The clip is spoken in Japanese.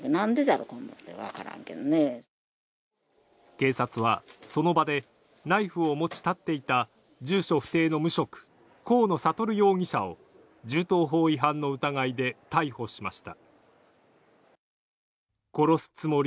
警察はその場でナイフを持ち立っていた住所不定の無職、河野智容疑者を銃刀法違反の疑いで逮捕しました。